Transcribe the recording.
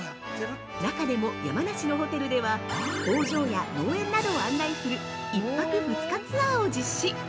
中でも山梨のホテルでは工場や農園などを案内する１泊２日ツアーを実施。